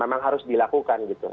memang harus dilakukan gitu